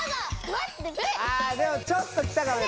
あでもちょっときたかもね。